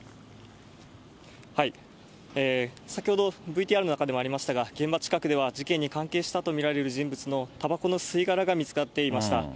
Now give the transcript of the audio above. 先ほどＶＴＲの中でもありましたが、現場近くでは事件に関係したと見られる人物のたばこの吸い殻が見つかっていました。